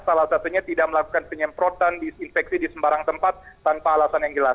salah satunya tidak melakukan penyemprotan disinfeksi di sembarang tempat tanpa alasan yang jelas